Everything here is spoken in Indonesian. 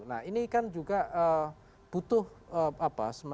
nah ini kan juga butuh leadership memang yang penting